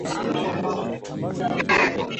Jamuhuri ya kidemokrasaia ya Kongo yatoa ushahidi